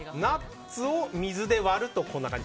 ナッツを水で割るとこんな感じ。